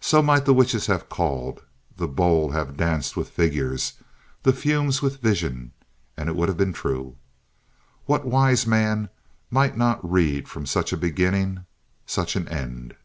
So might the witches have called, the bowl have danced with figures, the fumes with vision, and it would have been true. What wise man might not read from such a beginning, such an end?